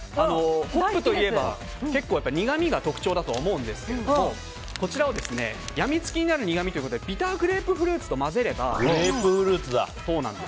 ホップといえば苦みが特徴だと思うんですけどもこちらは、病みつきになる苦みということでビターグレープフルーツと混ぜています。